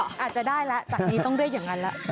อาจจะได้แล้วจากนี้ต้องเรียกอย่างนั้นแล้ว